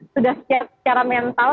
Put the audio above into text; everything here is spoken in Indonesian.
sudah secara mental